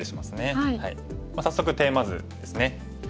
早速テーマ図ですね。